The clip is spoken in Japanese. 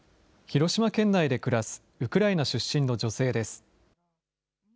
広島県内で暮らすウクライナ出身の女性です。